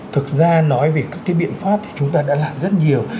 thực ra nói về các cái biện pháp thì chúng ta đã làm rất nhiều